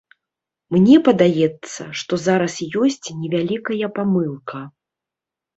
Мне падаецца, што зараз ёсць невялікая памылка.